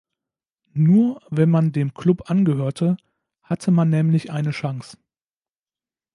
Nur wenn man dem Klub angehörte, hatte man nämlich eine Chance.